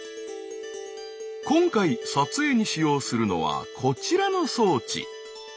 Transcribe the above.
今回撮影に使用するのはこちらの装置。